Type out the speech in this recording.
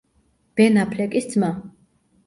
ბენ აფლეკის ძმა.